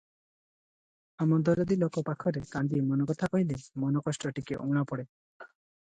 ହାମଦରଦୀ ଲୋକ ପାଖରେ କାନ୍ଦି ମନକଥା କହିଲେ ମନକଷ୍ଟ ଟିକିଏ ଊଣା ପଡ଼େ ।